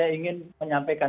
saya ingin menyampaikan